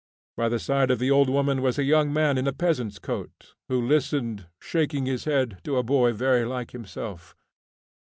By the side of the old woman was a young man in a peasant's coat, who listened, shaking his head, to a boy very like himself.